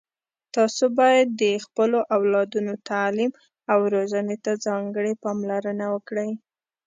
تاسو باید د خپلو اولادونو تعلیم او روزنې ته ځانګړي پاملرنه وکړئ